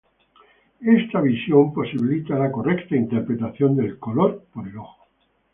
Esta visión posibilita la correcta interpretación del color por el ojo.